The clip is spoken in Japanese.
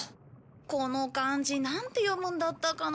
この漢字なんて読むんだったかな？